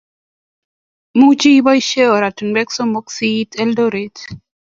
much iboisien ortinwek somok si iit Eldoret